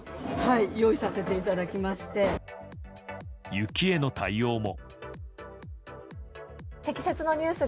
雪への対応も。